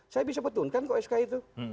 saya bisa petunkan kok sk itu